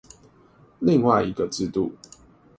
另外一個制度